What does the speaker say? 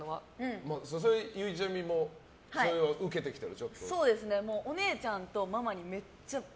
ゆいちゃみもそれを受けてきてる？